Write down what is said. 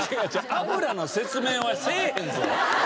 脂の説明はせえへんぞ。